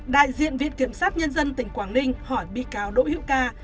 đại diện viện kiểm sát nhân dân tỉnh quảng ninh hỏi bị cáo đội hiệu ca